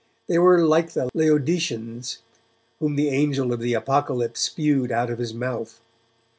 They were like the Laodiceans, whom the angel of the Apocalypse spewed out of his mouth.